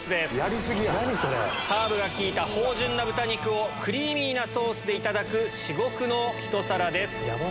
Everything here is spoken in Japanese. ハーブが効いた芳醇な豚肉をクリーミーなソースでいただく至極のひと皿です。